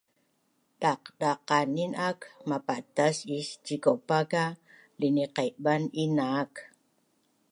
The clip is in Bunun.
Daqdaqanin ak mapatas is cikaupa ka liniqaiban inak